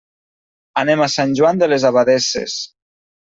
Anem a Sant Joan de les Abadesses.